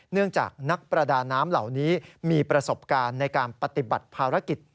เนื่องจากนักประดาน้ำเหล่านี้มีประสบการณ์ในการปฏิบัติภารกิจ